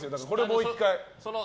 もう１回。